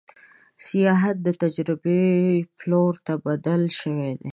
سیاحت د تجربې پلور ته بدل شوی دی.